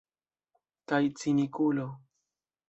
Kaj cinikulo.